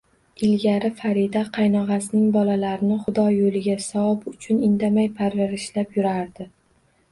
Ilgari Farida qaynog`asining bolalarini Xudo yo`liga, savob uchun indamay parvarishlab yurardi